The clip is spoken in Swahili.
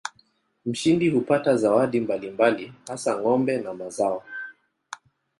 Mshindi hupata zawadi mbalimbali hasa ng'ombe na mazao.